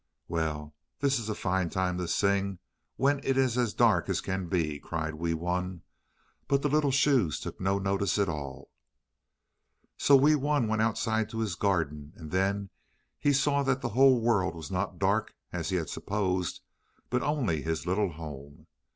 "Well, this is a fine time to sing, when it is as dark as can be!" cried Wee Wun. But the little shoes took no notice at all. So Wee Wun went outside to his garden, and then he saw that the whole world was not dark, as he had supposed, but only his little home.